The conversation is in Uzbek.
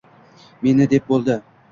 Meni deb bo'ldi.